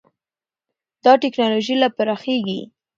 دا ټېکنالوژي لا پراخېږي.